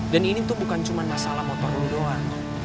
dan ini tuh bukan cuman masalah motor lo doang